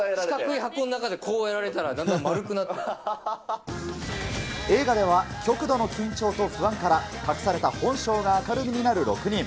箱の中でこうやられたらだん映画では、極度の緊張と不安から、隠された本性が明るみになる６人。